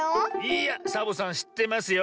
いやサボさんしってますよ。